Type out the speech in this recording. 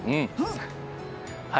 はい！